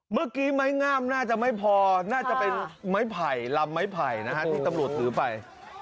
เมื่อกี้ไม้งามน่าจะไม่พอน่าจะเป็นไม้ไผ่ลำไม้ไผ่นะฮะที่ตำรวจถือไป